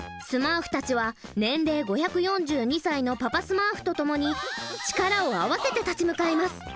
スマーフたちは年齢５４２歳のパパスマーフと共に力を合わせて立ち向かいます。